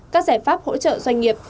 các giải pháp hỗ trợ doanh nghiệp